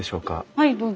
はいどうぞ。